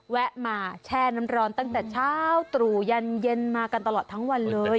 แวะมาแช่น้ำร้อนตั้งแต่เช้าตรู่ยันเย็นมากันตลอดทั้งวันเลย